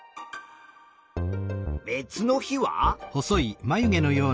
別の日は？